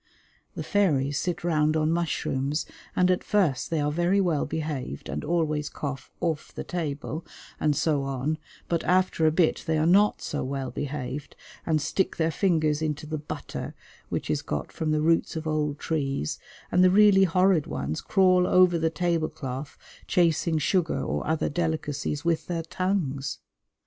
The fairies sit round on mushrooms, and at first they are very well behaved and always cough off the table, and so on, but after a bit they are not so well behaved and stick their fingers into the butter, which is got from the roots of old trees, and the really horrid ones crawl over the table cloth chasing sugar or other delicacies with their tongues.